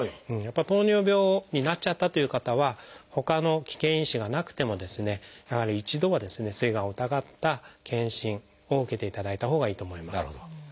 糖尿病になっちゃったという方はほかの危険因子がなくてもやはり一度はすいがんを疑った検診を受けていただいたほうがいいと思います。